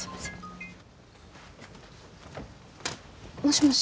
もしもし？